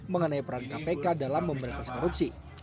seperti peran kpk dalam memberitas korupsi